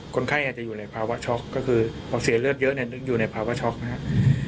คนไข้อาจจะอยู่ในภาวะช็อกก็คือพอเสียเลือดเยอะเนี่ยนึกอยู่ในภาวะช็อกนะครับ